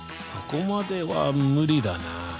そこまでは無理だな。